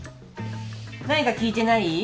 何か聞いてない？